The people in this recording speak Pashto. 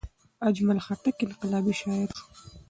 اجمل خټک انقلابي شاعر شو.